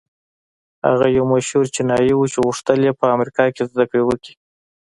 هغه يو مشهور چينايي و چې غوښتل يې په امريکا کې زدهکړې وکړي.